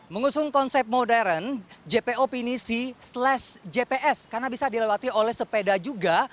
mengusung konsep modern jpo pinisi slash jps karena bisa dilewati oleh sepeda juga